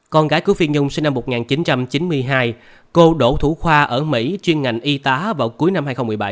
con gái của phi nhung sinh năm một nghìn chín trăm chín mươi hai cô đỗ thủ khoa ở mỹ chuyên ngành y tá vào cuối năm hai nghìn một mươi bảy